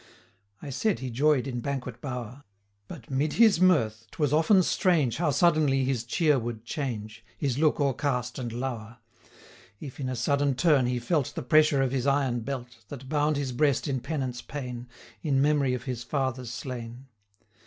I said he joy'd in banquet bower; But, 'mid his mirth, 'twas often strange, How suddenly his cheer would change, His look o'ercast and lower, 245 If, in a sudden turn, he felt The pressure of his iron belt, That bound his breast in penance pain, In memory of his father slain.